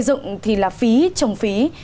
xây dựng thì là phí trồng phí